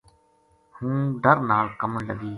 ہوں ڈر نال کَمن لگی